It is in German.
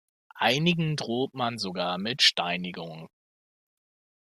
Einigen droht man sogar mit Steinigung.